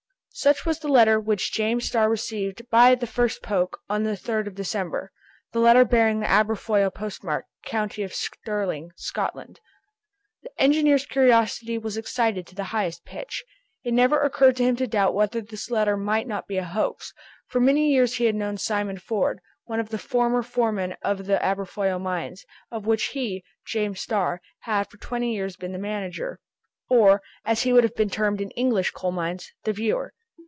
Such was the letter which James Starr received by the first post, on the 3rd December, 18—, the letter bearing the Aberfoyle postmark, county of Stirling, Scotland. The engineer's curiosity was excited to the highest pitch. It never occurred to him to doubt whether this letter might not be a hoax. For many years he had known Simon Ford, one of the former foremen of the Aberfoyle mines, of which he, James Starr, had for twenty years, been the manager, or, as he would be termed in English coal mines, the viewer.